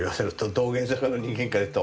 道玄坂の人間からいうと。